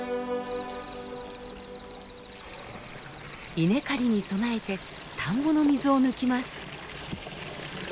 稲刈りに備えて田んぼの水を抜きます。